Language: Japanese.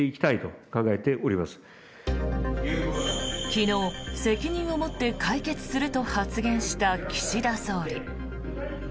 昨日、責任を持って解決すると発言した岸田総理。